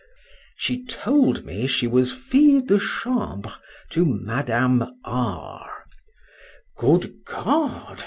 —She told me she was fille de chambre to Madame R—.—Good God!